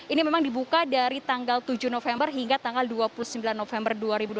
ini memang dibuka dari tanggal tujuh november hingga tanggal dua puluh sembilan november dua ribu dua puluh